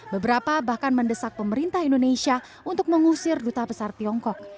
beberapa bahkan mendesak pemerintah indonesia untuk mengusir duta besar tiongkok